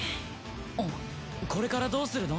これからどうするの？